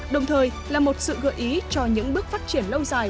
đồng thời là một sự gợi ý cho những bước phát triển lâu dài